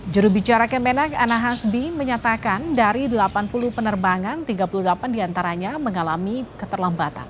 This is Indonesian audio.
jurubicara kemenak ana hasbi menyatakan dari delapan puluh penerbangan tiga puluh delapan diantaranya mengalami keterlambatan